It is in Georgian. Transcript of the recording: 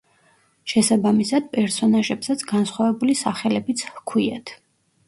შესაბამისად, პერსონაჟებსაც განსხვავებული სახელებიც ჰქვიათ.